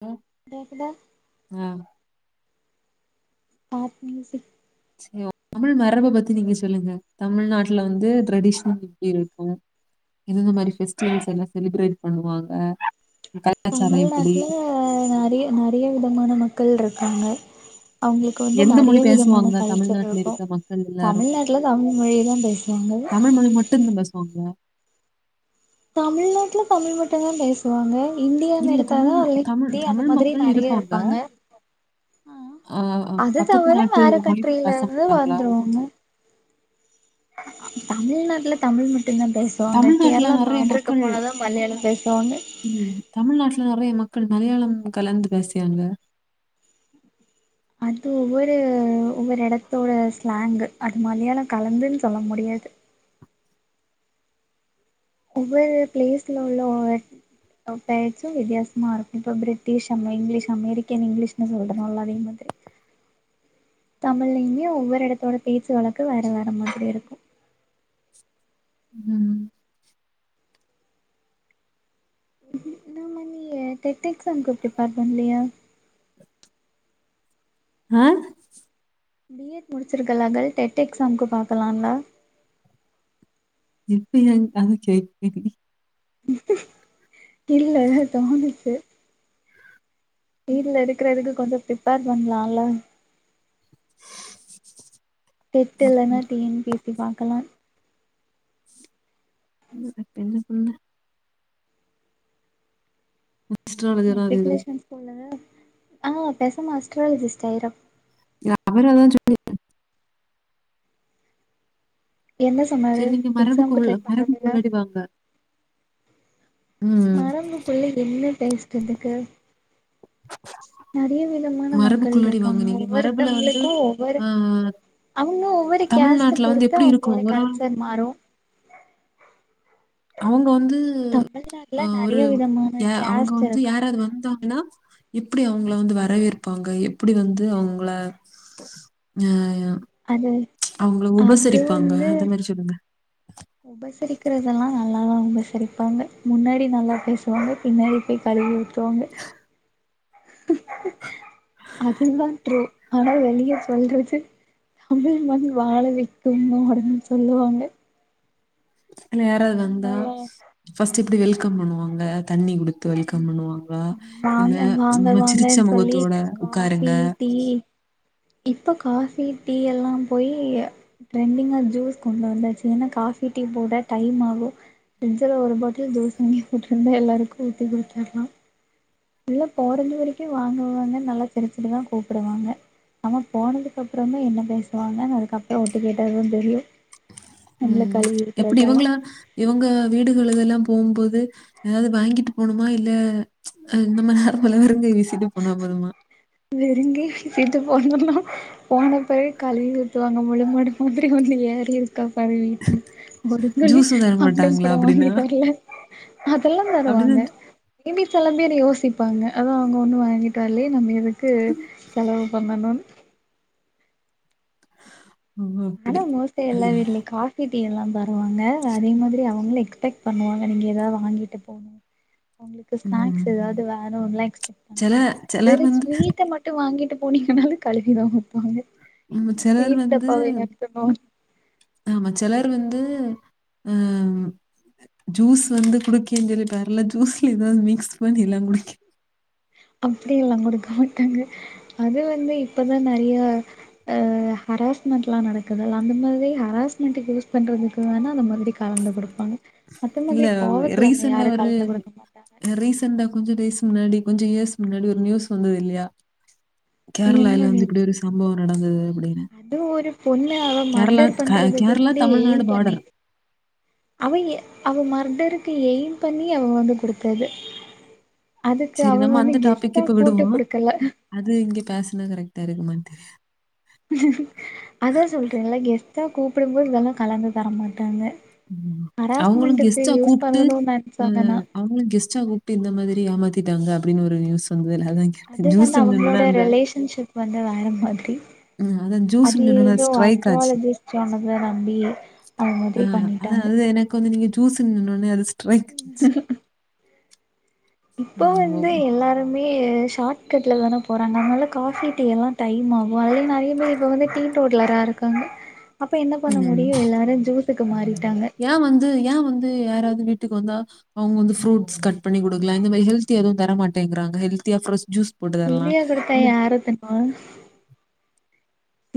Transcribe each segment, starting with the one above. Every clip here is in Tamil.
ஓ கேக்குதா ஆ ஸ்டாட் மியூசிக் சே ஓ தமிழ் மரப பத்தி நீங்க சொல்லுங்க தமிழ்நாட்டுல வந்து ட்ரெடிஷனல் எப்டி இருக்கு எந்தந்த மாரி ஃபெஸ்டிவல்ஸ்ல்லா செலிப்ரேட் பண்ணுவாங்க க தமிழ்நாட்டில நெறைய நெறைய விதமான மக்கள் இருக்காங்க அவங்களுக்கு வந்து எந்த நெறைய மொழி விதமான பேசுவாங்க கல்ச்சர் தமிழ்நாட்டுல இருக்கு இருக்க மக்கள் தமிழ்நாட்டுல தமிழ் மொழி தா பேச தமிழ்மொழி மட்டுந்தா பேசுவாங்களா தமிழ்நாட்டுல தமிழ் மட்டுந்தா பே சுவாங்க இந்தியான்னு இல்ல எடுத்தாதா தமிழ் ம அது தமிழ் ஹிந்தி அது தமிழ் மாதிரி மக்கள் நெறைய இருப்பாங்க ஆ ஆ, அது பக்கத்து தவிர நாட்டு வேற மொழி கண்ட்ரியில பேச இருந்து மாட்டாங்களா? வந்துருவாங்க தமிழ்நாட்டுல தமிழ் மட்டுந்தா பேச போங்க தமிழ்நாட்டுல கேரளா நெறைய பார்டருக்கு போன தா மலையாளம் பேசுவாங்க ம் தமிழ்நாட்டுல நெறைய மக்கள் மலையாளம் கலந்து பேசியாங்க அது ஒவ்வொரு ஒவ்வொரு எடத்தோட ஸ்லாங்கு அது மலயாள கலந்துன்னு சொல்ல முடியாது ஒவ்வொரு பிளேஸ்ல உள்ளவுங்க அவங் பேச்சு வித்தியாசமா இருக்கு இப்ப பிரிட்டீஷ் அம் இங்கிலீஷ் அமேரிக்கன் இங்கிலீஷ்ன்னுசொல்றோல்ல அதே மாதிரி தமிழ்லயுமே ஒவ்வொரு எடத்தோட பேச்சு வழக்கு வேற வேற மாதிரி இருக்கு ம் ம் இன்னாமா நிய்யு டேட் எக்ஸாம்க்கு பிரிப்பர் பண்ணலயா ஆ பி எட் முடிச்சிருக்கல்ல கெள் டெட் எக்ஸாம்க்கு பாக்கலால்ல இப்ப ஏன் அத கேக் விதி இல்ல தோணுச்சு வீடுல இருக்கிறதுக்கு கொஞ்ச ப்ரிப்பேர் பண்ணலால்ல டெட் இல்லனா T N P S C பாக்கலா சத்தியமா புரில அஸ்ட்ராலஜர் தான் அது இது. மெட்ரிகுலேஷன் ஸ்கூல்ல ஆ பேசாம அஸ்ட்ராலஜிஸ்ட் ஆயிரு அவரா அதா சொல்லி என்ன சொன்னாரு சரி நீங்க எக்ஸாம்க்கு ட்ரை மரபுக்குள்ள மரபுக்கு பண்றதுல உள்ளாடிவாங்க மரபுக்குள்ள என்ன பேஸ்ரதுக்கு நெறைய விதமான மக்கள் மரபுக்குள்ளடி வாங்க இருக்காங்க நீங்க மரபுல வந்து ஒவ்வொருத்தவங்களுக்கு ஒவ்வொரு ஆஹ், அவங்களு ஒவ்வொரு கேஸ்ட்ட தமிழ்நாட்டுல வந்து பொருத்து எப்படி அவங்களோட இருக்கும் ஒரு ஆள் கல்ச் து மாறு அவங்க வந்து தமிழ்நாட்ல ஆ ஒரு நெறைய விதமான யா அவங்க கேஸ்ட் வந்து இருக்காங்க யாராவது வந்தாங்கன்னா எப்படி அவங்கள வந்து வரவேற்பாங்க எப்படி வந்து அவங்கள ஆ அது அவங்கள அது உபசரிப்பாங்க வந்து அந்த மாரி சொல்லுங்க உபசரிக்கிறதெல்லா நல்லாதா உபசரிப்பாங்க முன்னாடி நல்லா பேசுவாங்க பின்னாடி போய் கழுவி ஊத் துவாங்க அதுதா ட்ரூ ஆனா வெளிய சொல்றது தமிழ் மண் வாழ வெக்கும் அப்டின் சொல்லுவாங்க யாராவது வந்தா நல்லா ஃபர்ஸ்ட்டு இப்டி வெல்கம் பண்ணுவாங்க தண்ணி குடுத் து வெல்கம் பண்ணுவாங்க இல்ல வாங்க வாங்க நம்ம வாங்கன்னு சொல்லி சிரிச்சமுகத்தோட உக்காருங்க இப்போ காஃபி டீ எல்லா போயி ட்ரெண்டிங்கா ஜூஸ் கொண்டு வந்தாச்சு ஏன்னா காஃபி டீ போட டைம் ஆகோ ஃப்ரிட்ஜில ஒரு பாட்டில் தோச அங்கே கூட்ருங்க எல்லாருக்கூ ஊத்தி குடுத்துர்லா உள்ள போறந்த வரைக்கோ வாங்க வாங்க நல்லா சிரச்சுட்டுதா கூப்டுவாங்க ஆனா போனதுக்கப்பறமே என்ன பேசுவாங்கன் அதுக்கப்பறோ ஒட்டு கேட்டதா தெரியு நம்மள ம் கழுவி எப்டி ஊத்துறதெல்லா இவங்கள இவங்க வீடுகளுகெல்லா போம்போது ஏதாவது வாங்கிட்டு போணுமா இல்ல அ நம்ம நார்மலா வெறுங்கை வீசிட்டு போனா போதுமா வெறுங்கை வீட்டு போனோ போன பிறகு கலுவி ஊத்து வாங்க முழுமாடு மாதிரி ஒண்ணு ஏறி இருக் கா பாரு வீட்ல ஒரு கருங்கொலி ஜூஸும் அண்டம் தரமாட்டாங்களா கூட வாங்கி அப்படின்னா? வரல அதெல்லா அப்படின்னா தருவாங்க எங்களுக் சில பேரு யோசிப்பாங்க அதா அவங்க ஒண்ணு வாங் கிட்டு வர்லே நம்ம எதுக்கு செலவு பண்ணணு ஓ! அப்படி. ஆனா மோஸ்ட்டா அ எல்லா வீடுலக்கா காபி டீ எல்லா தருவாங்க அதே மாதிரி அவங்களு எக்ஸ்பெக்ட் பண்ணுவாங்க நீங்க எதாவது வாங்கிட்டு போனு உங்களுக்கு ஸ்நாக்ஸ் ம். ஏதாவது வேணும்லா எக்ஸ்பெக்ட் சில பண்ணுவாங்க சிலர் வெறு வந்து ஸ்வீட்ட மட் டு வாங்கிட்டு போனீங்ன்னால கழுவிதா ஊத்துவங்க ம் சிலர் ஸ்வீட் வந்து டப்பாவையா [unintelligible] ஆமா செலர் வந்து ஆ ஜூஸ் வந்து குடிக்கேன்னு சொல்லி தர்ல ஜூஸ்ல ஏதாவது மிக்ஸ் பண்ணி எல்லா குடிக்க அப்டியெல்லா குடுக்க மாட்டாங்க அது வந்து இப்பதா நெறைய ஆ ஹராஸ்மெண்ட்லா நடக்குது அந்த மாதிரி ஹராஸ்மென்ட்க்கு யூஸ் பண்றதுக்கு வேணா அந்த மறுப்டி கலந்து குடுப்பாங்க அத்த இல்ல மாதிரி கோவத்துல வந்து யாரோ கலந்து குடுக்க மாட்டா அ ரீசண்டா கொஞ்சோ டேஸ் முன்னாடி கொஞ்சோ இயர்ஸ் முன்னாடி ஒரு நியூஸ் வந்தது இல்லயா கேரளால என்ன வந்து இப்டி ஒரு சம்பவம் நடந்தது அப்டின்னு அதுவு ஒரு பொண்ண அவ மர்டர் பண்றதுக்கு கேரளா வந்து தமிழ்நாடு எயிம் பண்ணி பார்டர். அவங்க அவ மர்டருக்கு எயிம் பண்ணி அவ வந்து குடுத்தது அதுக்கு சரி அவ நம்ம வந்து அந்த டாபிக் கிஃப்ட்டா இப்ப கூப்ட்டு விடுவோம். குடுக்கல அது இங்க பேசுனா கரெக்டா இருக்குமா தெரியா அதா சொல்றீங்ல்ல கெஸ்ட்டா கூப்டும்போது இதெல்லா கலந்து தரமாட்டாங்க ம் அவங்களு கெஸ்ட்டா கூப்ட்டு பண்ணணுனு ஆ நெனச்சாங்கன்னா அவங்ளு கெஸ்ட்டா கூப்ட்டு இந்த மாதிரி ஏமாத்திட்டாங்க அப்டின்னு ஒரு நியூஸ் வந்ததுல அதா அது வந்து ஜூஸ்சுன்னவொனே அவங்களோட அந்த [unintelligible] வந்து வேற மாதிரி ம் அதான் அது ஜூஸ்ன்னு சொன்னோனே ஏதோ ஸ்ட்ரைக் ஆச்சு. ஆஸ்ட்ராலஜிஸ்ட் சொன்னத நம்பி அது மாதிரி பண்ணிட்டாங்க கொஞ்ச நீங்க ஜூஸ்சுன் சொன்னொனே அது ஸ்ரைக் ஆச்சு ஆ இப்போ ஓ வந்து எல்லாரு மே ஷார்ட் கட்ல தான போறாங்க அதனால காஃபி டீ எல்லா டைம் ஆகோ அதுலயே நறைய பேரு இப்ப வந்து டீ தோட்டுலரா இருக்காங்க அப்ப என்ன பண்ண முடியு எல்லாரு ஜூஸுக்கு மாறிட்டாங்க ஏ வந்து ஏ வந்து யாராவ்து வீட்டுக்கு வந்தா அவுங்க வந்து ஃரூட்ஸ் கட் பண்ணி குடுக்லா இந்த மாரி ஹெல்த்தியா எதுவு தர மாட்டேங்கறங்க ஹெல்த்தியா ஃப்ரெஷ் ஜூஸ் போட்டு தரலாம் புள்ளியா குடுத்தா இந்த யாரு தின்னுவா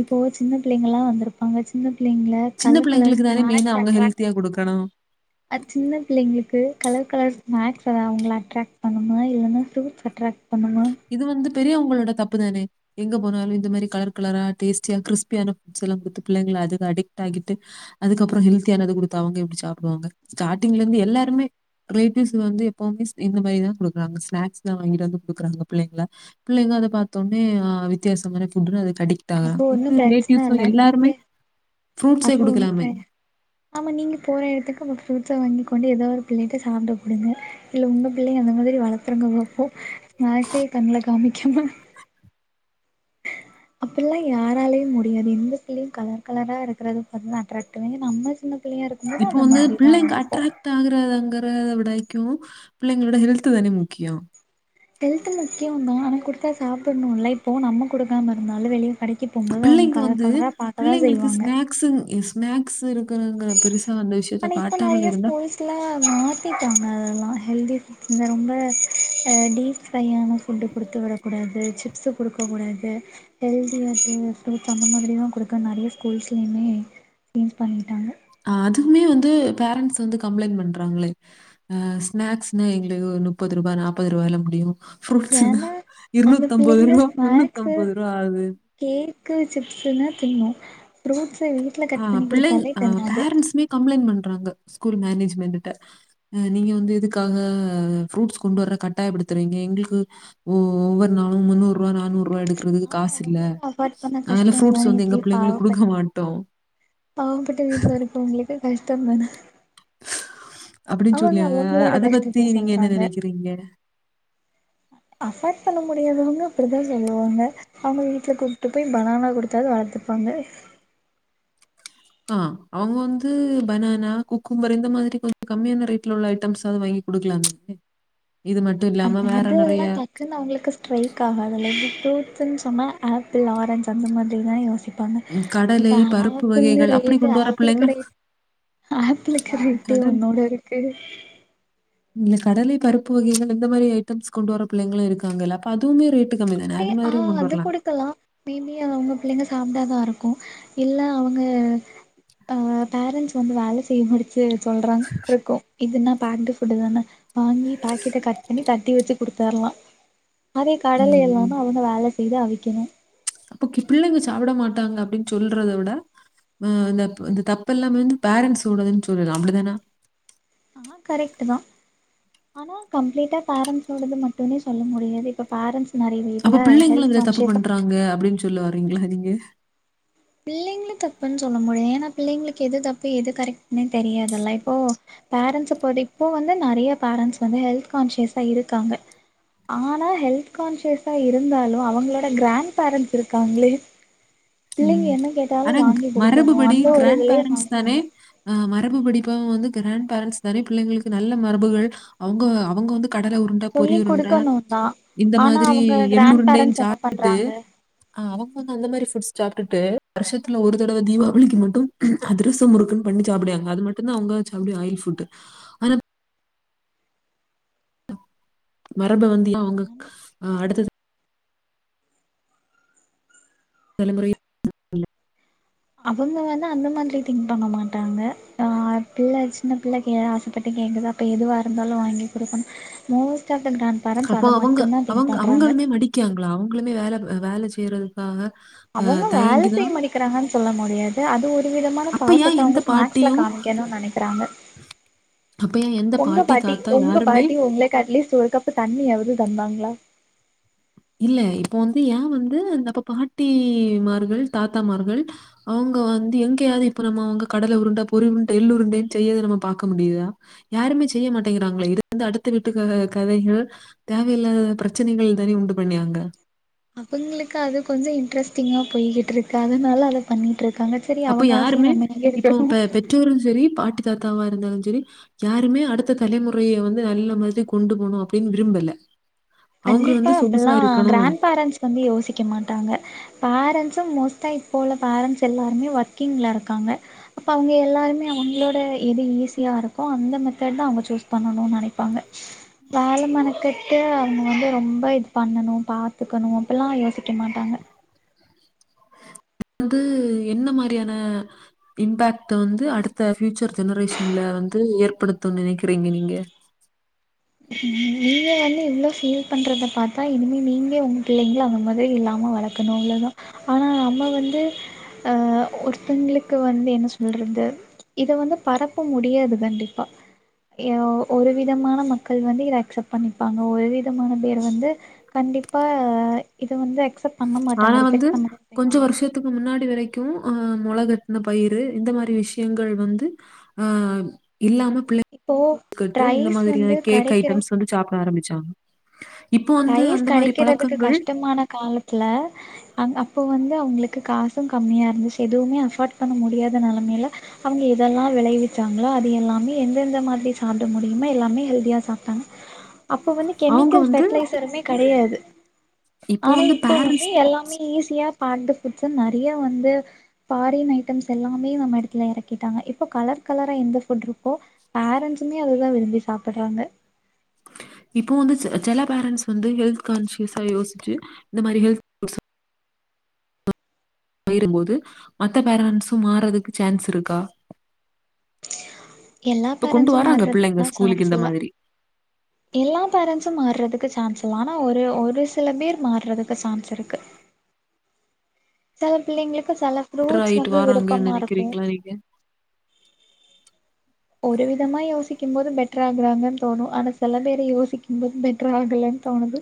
இப்போ சின்ன பிள்ளைங்கலா வந்துருப்பாங்க சின்ன பிள்ளைங்கள சின்ன கலர் கலர்ஸ் பிள்ளைங்களுக்கு தானே மெயினா ஸ்னாக்ஸ் அவங்க அட்ராக்ட் ஹெல்த்தியா கொடுக்கணும் [inaudible] அ சின்ன பிள்ளைங்ளுக்கு கலர் கலர்ஸ் ஸ்னாக்ஸ்ஸு அது அவுங்கள அட்ராக்ட் பண்ணுமா இல்லனா ஃபரூட்ஸ் அட்ராக்ட் பண்ணுமா இது வந்து பெரியவங்களோட தப்புதானே எங்க போனாலு இந்த மாறி கலர் கலரா டேஸ்டியா கிரிஸ்பியான ஃபுட்ஸ் எல்லா குடுத்து பிள்ளைங்கள அதுக்கு அடிக்ட் ஆகிட்டு அதுக்கப்பறோ ஹெல்தியானது குடுத்தா அவுங்க எப்டி சாப்டுவாங்க ஸ்டாடிங்ல இருந்து எல்லாருமே ரிலேட்டிவ்ஸ் வந்து எப்பவுமே ஸ் இந்த மாறிதா குடுகறாங்க ஸ்நாக்ஸ் தா வாங்கிட்டு வந்து குடுக்குறாங்க புள்ளைங்கள புள்ளைங்க அத பாத்தொன்னே ஆ வித்தியாசமான ஃபுட்னு அதுக் அடிக் ட் அப்போ ஆகுறாங் ஒன்னு இப்பருக்க பிரச்சன ரிலேட்டிவ்ஸு இல்ல நீங்க எல்லாருமே ஃப்ரூட்ஸே அப்போ ஒன்னு குடுக்கலாமே பிர ஆமா நீங்க போற எடத்துக்கு நம் ஃப்ரூட்ஸ வாங்கி கொண்டு ஏதோ ஒரு புள்ளைட்ட சாப்ட குடுங்க இல்ல உங்க புள்ளைங்க அந்தமாதிரி வளத்திர்காங்க அப்போ ஸ்நாக்ஸே கண்ணுல காமிக்காம அப்டிலா யாராலயு முடியாது எந்த பிள்ளையு கலர்கலரா இருக்கறத பாத்துதா அட்ராக்டிவ் ஆகு நம்ம சின்ன பிள்ளையா இருக் இப்போ வந்து பிள்ளைங்க அட்ராக்ட் டு ஆகிரதங்கறத விடைக்கு பிள்ளைங்களோட ஹெல்த் தானே முக்கியோ ஹெல்த் முக்கியோ தா ஆனா குடுத்தா சாப்ட்ணும்ல இப்போ நம்ம குடுக்காம இருந்தாலு வெளிய கடைக்கு போபோது அவுங்க கலர் கலரா பாக்க தா செய்வாங்க னாஸுங்க இ ஸ்நாக்ஸ் இருக்குங்கிங்றத பெருசா அந்த விஷ்யத்த காட்டாமல் இருந்தா சில்ல மாத்திட்டாங்க அதெல்லா ஹெல்தி ஃபுட் இந்த ரொம்ப ஆ டீப் ஃப்ரையான ஃபுட்டு குடுத்து விடக்கூடாது சிப்ஸ்ஸு குடுக்கக்கூடாது ஹெல்தியாது ஃபுரூட்ஸ் அந்த மாறி தா குடுக்கறா நெறைய ஸ்கூல்ஸ்லயுமே [unintelligible] பண்ணிட்டாங்க அ அதுமே வந்து பேரண்ட்ஸ் வந்து கம்ப்ளைண்ட் பண்றாங்களே ஆ ஸ்நாக்ஸ்னா எங்களுக்கு ஒரு முப்பது ரூபா நாற்பது ரூபாய்ல முடியு ஃப்ரூட்ஸ்னா ஏன்னா அந்த இருநூத்தம்பது பிள்ளைங்க ரூபா ஸ்நாக்ஸு முன்னூத்தம்பது ரூபா ஆகுது கேக்கு சிப்ஸ்ன்னா திண்ணு ஃப்ரூட்ஸ்ஸு வீட் ஆ பிள்ளைக ஆ பேரண்ஸ்ஸூமே கம்ப்ளைண்ட் பண்றாங்க ஸ்கூல் மேனேஜ்மெண்ட்ட அ நீங்க வந்து எதுக்காக ஃப்ரூட்ஸ் கொண்டு வர கட்டாயப்படுத்றீங்க எங்களுக்கு ஓ ஒவ்வொரு நாளு முன்னூறு ரூபா நானூரு ரூபா எடுக்கறதுக் ஆமா காசு இல்ல அவங்களுக்கு அஃபார்ட் பண்ண அதனால ஃப்ரூட்ஸ் கஷ்டந்தானே வந்து எங்க இப்டி பிள்ளைங்களுக்கு பாவப்பட் குடுக்க மாட்டோ பாவப்பட்ட வீட்டுல இருக்கறவங்களுக்கு கஷ்ட தான அப்டின்னு சொல்லியா அவங்களோட அத பத்தி கஷ்டத்த நீங்க என்ன சொல்றாங்க நெனைக்கறீங்க அஃபர் ட் பண்ண முடியாதவங்க அப்டி தா சொல்லுவாங்க அவுங்க வீட்ல கூப்டிட்டு போய் பனானா குடுத்தாவது வளத்துப்பாங்க ஆ அவுங்க வந்து பனானா குக்கும்பர் இந்த மாதிரி கொஞ்ச கம்மியான ரேட்ல உள்ள ஐட்டம்ஸ் ஆவுது வாங்கி குடுக்கலாமே இது மட்டு இல்லாம வேற நெறையா டக்குனு அவுங்ளுக்கு ஸ்ட்ரைக் ஆகாதுல்ல ஃபுரூட்ஸ்னு சொன்னா ஆப்பிள் ஆரஞ்ச அந்த மாறி தா யோசிப் பாங்க ம் கடலை, இப்ப பருப்பு ஆப்பிள் வகைகள் அப்படி ரேட்டு கொண்டு வர ஆப்பிள் பிள்ளைங்க ரேட் ஆப்பிளுக்கு ரேட்டு கடல் ஒன்னோட இருக்கு இல்ல கடலை பருப்பு வகைகள் இந்த மாரி ஐட்டம்ஸ் கொண்டு வர பிள்ளைங்களு இருக்காங்கல்ல அதுமே ரேட் கம்மி தானே அது மாதிரியு கொண்டு வர்லா மேப்பி அவங்க பிள்ளைங்க சாப்டாதா இருக்கும் இல்ல அவங்க பா பேரண்ட்ஸ் வந்து வேல செய்ய முடிச்சு சொல்றா [unintelligible] இருக்கும் இதுனா பேக்ட் புட் தான வாங்கி பேக்கிட்ட கட் பண்ணி கட்டி வச்சு குடுத்தர்லா அதே காலையில ம். எல்லாம அவங்க வேலை செய்து அவிக்கணு அப்ப இப்படி எல்லா இவங்க சாப்பட மாட்டாங்க அப்டின்னு சொல்றத விட மே அந்த தப்பு எல்லாமே வந்து பேரண்ட்ஸ் ஓடதுன்னு சொல்லலா அப்படிதான ஆ கரெக்ட் தா ஆனா கம்ப்ளீட்டா பேரண்ட்ஸோடது மட்டுமே சொல்ல முடியாது இப்ப பேரண்ட்ஸ் நெறைய அப்ப வீட்ல பிள்ளைங்களு ஹெல்த் அதுல தப்பு கான்சியஸா பண்றாங்க அப்படின்னு சொல்ல வாரீங்களா நீங்க பிள்ளைங்கள தப்புன்னு சொல்ல முடியா ஏன்னா பிள்ளைங்களுக்கு எது தப்பு எது கரெக்ட்ன்னே தெரியாதல்ல இப்போ பேரண்ட்ஸ் படிப்பும் வந்து நறிய பேரண்ட்ஸ் வந்து ஹெல்த் கான்சியஸா இருக்காங்க ஆனா ஹெல்த் கான்சியஸா இருந்தாலும் அவங்களோட கிராண்ட் பேரண்ட்ஸ் இருக்காங்களே பிள்ளைங்க ம் என்ன கேட்டாலு ஆனா வாங்கி குடுக்கணு மரபுபடி அந்த ஒரு கிராண்ட் இதுலயே பேரண்ட்ஸ் தானே மாட்றாங்க அ மரபு படிப்பாவு வந்து கிராண்ட் பேரன்ட்ஸ் தானே பிள்ளைங்களுக்கு நல்ல மரபுகள் அவுங்க அவங்க வந்து கடல உருண் ட பொரி சொல்லி உருண்ட குடுக்கணு தா இந்த ஆனா மாதிரி அவங்க எள் கிராண்ட் உருண்டைன்னு பேரண்ட்ஸ் என்ன சாப்ட்டுட்டு பண்றாங்க ஆ அவங்க வந்து அந்த மாறி ஃபுட்ஸ் சாப்ட்டுட்டு வருஷத்துல ஒரு தடவ தீபாவளிக்கு மட்டு அதிரசம் முறுக்குன்னு பண்ணி சாப்பிடுவாங்க அது மட்டு தா அவுங்க சாப்ட ஆயில் ஃபுட்டு மரபு வந்தியா அவுங்க ஆ அடுத்தது தலைமுறையே அவுங்க வந்து அந்த மாதிரி திங்க் பண்ண மாட்டாங்க ஆ பிள்ளை சின்ன பிள்ளை ஆசப்பட்டு கேக்குதா அப்ப எதுவா இருந்தாலும் வாங்கி குடுக்கணும் most of the grand parents அப்போ அத அவுங்க மட்டுந்தா திங்க் அவுங்க பண்றாங்க அவுங்களுமே மடிக்காங்களா அவுங்களுமே வேல வேல செய்யறதுக்காக அவுங்க வேல தயங்கி செய்ய தான் முடிக்கிறாங்கன்னு சொல்ல முடியா து அது ஒரு விதமான அப்ப ஏன் பாசத்த எந்த அவுங்க ஸ்நேக்ஸ்ல பாட்டியும் காமிக்கணும்னு நினைக்கறாங்க அப்ப ஏன் எந்த உங்க பாட்டி தாத்தா உங்க யாருமே பாட்டி உங்களுக்கு அட்லீஸ்ட் ஒரு கப்பு தண்ணியாவது தந்தாங்களா இல்ல இப்போ வந்து ஏ வந்து அந்த அப்ப பாட்டிமார்கள் தாத்தாமார்கள் அவுங்க வந்து எங்கையாவது இப்ப நம்ம அவுங்க கடல உருண்டை பொறி உருண்ட எள்ளு உருண்டன்னு செய்யறது நம்ம பாக்க முடியுதா யாருமே செய்ய மாட்டேங்கிறாங்களே இருந்தா அடுத்த வீட்டு கதைகள் தேவையில்லாத பிரச்சனைகள் தானே உண்டு பண்ணியாங்க அவுங்களுக்கு அது கொஞ்சோ இன்ட்ரெஸ்டிங்கா போயிகிட்டு இருக்கு அதனால அத பண்ணிட்டு இருக்காங்க சரி அப்ப அவங்க ஆசைய யாருமே நம்ம ஏன் இப்போ கெடுக்கணு பெற்றோரும் சரி பாட்டி தாத்தாவா இருந்தாலும் சரி யாருமே அடுத்த தலைமுறைய வந்து நல்ல மாதிரி கொண்டு போணு அப்படின்னு விரும்பல அவங்க கண்டிப்பா வந்து சொகுசா அப்பில்லா இருக்கணும் கிராண்ட் பேரண்ட்ஸ் வந்து யோசிக்க மாட்டாங்க பேரண்ட்ஸ்சும் மோஸ்ட்டா இப்ப உள்ள பேரண்ட்ஸ் எல்லாருமே ஒர்க்கிங்ல இருக்காங்க அப்ப அவங்க எல்லாருமே அவங்களோட எது ஈஸியா இருக்கோ அந்த மெத்தேட்தா அவுங்க சூஸ் பண்ணணுன்னு நினைப்பாங்க யால மனக்கெட்டு இங்க வந்து ரொம்ப இது பண்ணணு பார்த்துக்கணு அப்பில்லா யோசிக்க மாட்டாங்க வந்து என்ன மாறியான இம்பேக்ட்ட வந்து அடுத்த ஃபியூச்சர் ஜெனரேஷன்ல வந்து ஏற்படுத்தும்னு நினைக்கிறீங்க நீங்க நீங்க வந்து இவ்ளோ ஃபீல் பண்றத பாத்தா இனிமே நீங்க உங்க பிள்ளைங்கள அவங்க மாறி இல்லாம வளக் க்கணு அவ்ளதா ஆனா நம்ம வந்து அ ஒருத்தங்களுக்கு வந்து என்ன சொல்றது இது வந்து பரப்ப முடியாது கண்டிப்பா ஒரு விதமான ம க்கள் வந்து இத அக்செப்ட் பண்ணிப்பாங்க ஒரு விதமான பேர் வந்து கண்டிப்பா இத வந்து அக்செப்ட் பண்ண மாட்டாங்க ரிஜெக்ட் பண்ண தான் செய்வாங்க த்துக்கு முன்னாடி வரைக்கு அ முளகட்ன பயிரு இந்த மாறி விஷ்யங்கள் வந்து ஆ இல்லாம பிள்ள இப்போ ட்டு இந்த ரைஸ் மாதிரியான வந்து கேக் கடைக்கிற ஐட்டம்ஸ் வந்து சாப்பிட ஆரம்பிச்சாங் இப்போ வந்து ரைஸ் அந்த மாறி கெடைக்கிறதுக்கு பழக்கங்கள் கஷ்டமான காலத்துல அ அப்போ வந்து அவங்களுக்கு காசும் கம்மியா இருந்துச்சு எதுவுமே அஃபோர்ட் பண்ண முடியாத நெலமையில அவங்க இதெல்லா விளைவிச்சாங்களோ அது எல்லாமே எந்தெந்த மாதிரி சாப்பிட முடியுமோ எல்லாமே ஹெல்தியா சாப்ட்டாங்க அப்போ வந்து அவங்க கெமிக்கல் வந்து பெர்ட்லைசருமே கிடையாது இப்போ ஆனா இப்ப வந்து பேரண்ட்ஸ் எல்லாமே ஈஸியா பாண்டு பிடிச்சு நிறைய வந்து ஃபாரின் ஐட்டம்ஸ் எல்லாமே நம்ம இடத்துல இறக்கிட்டாங்க இப்போ கலர் கலரா எந்த ஃபுட் இருக்கோ பேரண்ட்ஸுமே அதுதான் விரும்பி சாப்பிடுறாங்க இப்போ வந்து செ செல பேரண்ட்ஸ் வந்து ஹெல்த் கான்சியஸா யோசிச்சு இந்த மாறி ஹெல்த் போயிரும்போது மத்த பேரன்ஸ்ஸும் மாறதுக்கு சான்ஸ் இருக்கா எல்லா ப்ப கொண்டு பேரண்ட்ஸும் வறாங்க பிள்ளைங்க மாறுறதுக்குலா ஸ்கூலுக்கு சான்ஸ் இந்த இல்ல மாதிரி எல்லா பேரண்ட்ஸும் மாறுறதுக்கு சான்ஸ் இல்ல ஆனா ஒரு ஒரு சில பேர் மாறுறதுக்கு சான்ஸ் இருக்கு செல பிள்ளைங்களுக்கு செல றாய்ட்டு வறாங்கன்னு நினைக்கிறீங்களா நீங்க ஒரு விதமாக யோசிக்கும் போது பெட்டர் ஆகுறாங்கன்னு தோணும் ஆனா சில பேரை யோசிக்கும் போது பெட்டர் ஆகலைன்னு தோணுது